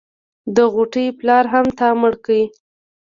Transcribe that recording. د غوټۍ پلار هم تا مړ کو.